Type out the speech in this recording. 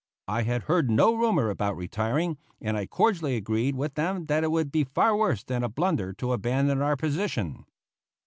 I had heard no rumor about retiring, and I cordially agreed with them that it would be far worse than a blunder to abandon our position.